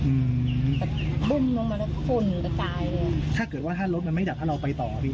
อืมแต่พ่นลงมาแล้วก้นกระจายเลยถ้าเกิดว่าถ้ารถมันไม่ดับถ้าเราไปต่อพี่